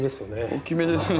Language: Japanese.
大きめですね。